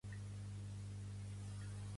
Pertany al moviment independentista l'Antoni?